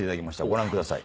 ご覧ください。